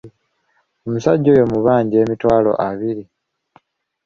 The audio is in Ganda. Omusajja oyo mubaanja emitwaalo abiri.